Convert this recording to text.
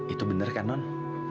itu bener kan non